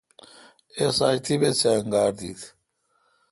اس آج طیبیت سہ انگار دیت۔